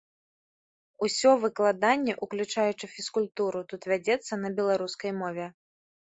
Усё выкладанне, уключаючы фізкультуру, тут вядзецца на беларускай мове.